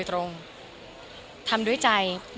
ขอเริ่มขออนุญาต